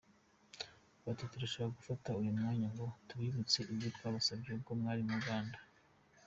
Bati “Turashaka gufata uyu mwanya ngo tubibutse ibyo twabasabye ubwo mwari mu Rwanda.